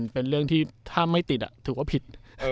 เป็นเรื่องที่ถ้าไม่ติดถือว่าผิด